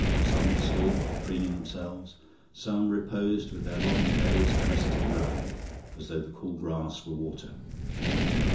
Some stood, preening themselves, some reposed with their long bellies pressed to the ground, as though the cool grass were water.